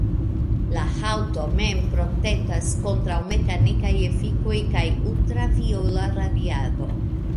La haŭto mem protektas kontraŭ mekanikaj efikoj, kaj ultraviola radiado.